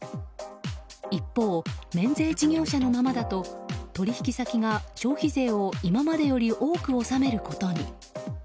一方、免税事業者のままだと取引先が消費税を今までより多く収めることに。